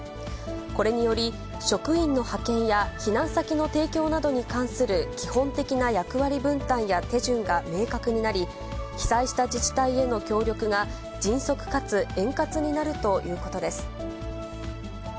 これにより、職員の派遣や、避難先の提供などに関する基本的な役割分担や手順が明確になり、被災した自治体への協力が、迅速かつ円滑になるということです。